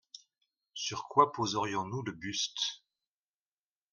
Sur quoi poserions-nous le buste ?